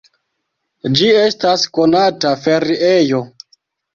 Ĝi estas konata feriejo.